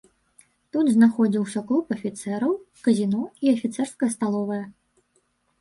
Тут знаходзіўся клуб афіцэраў, казіно і афіцэрская сталовая.